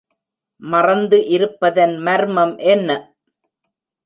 மறைந்து இருப்பதன் மர்மம் என்ன?